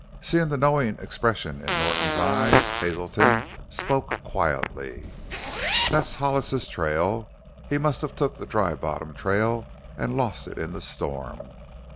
Seeing the knowing expression in Norton's eyes, Hazelton spoke quietly. "That's Hollis's trail. He must have took the Dry Bottom trail an' lost it in the storm.